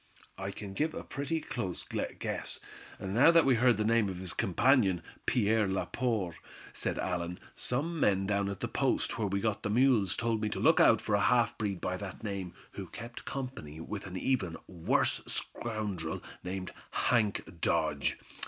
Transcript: "I can give a pretty close guess, now that we heard the name of his companion, Pierre Laporte," said Allan. "Some men down at the post where we got the mules told me to look out for a half breed by that name, who kept company with an even worse scoundrel named Hank Dodge.